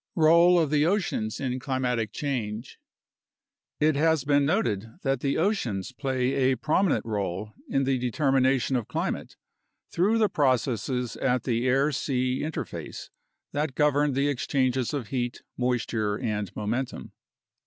ROLE OF THE OCEANS IN CLIMATIC CHANGE It has been noted that the oceans play a prominent role in the determina tion of climate through the processes at the air sea interface that govern the exchanges of heat, moisture, and momentum.